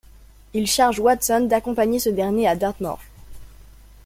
Il charge Watson d'accompagner ce dernier à Dartmoor.